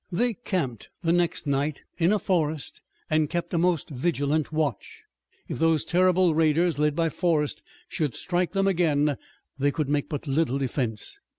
They camped the next night in a forest and kept a most vigilant watch. If those terrible raiders led by Forrest should strike them again they could make but little defense.